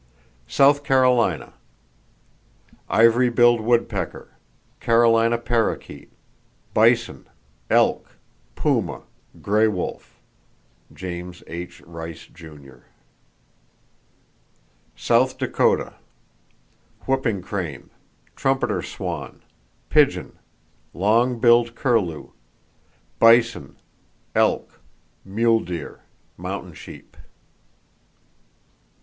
South Carolina: Ivory billed woodpecker, Carolina parrakeet; bison, elk, puma, gray wolf.—(James H. Rice, Jr.) South Dakota: Whooping crane, trumpeter swan, pigeon, long billed curlew; bison, elk, mule deer, mountain sheep.